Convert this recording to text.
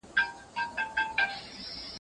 د اوبو وږي نهنگ یوه گوله کړ